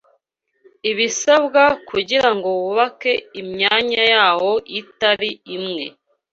ibisabwa kugira ngo wubake imyanya yawo itari imwe